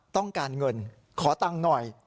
ต้องการเงินขอตังค์หน่อย